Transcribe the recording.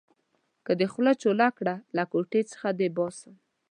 که دې خوله چوله کړه؛ له کوټې څخه دې باسم.